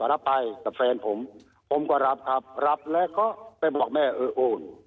รับไปกับแฟนผมผมก็รับครับรับแล้วก็ไปบอกแม่เออโอน